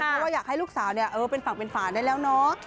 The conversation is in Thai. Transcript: เพราะว่าอยากให้ลูกสาวเป็นฝั่งเป็นฝานได้แล้วเนาะ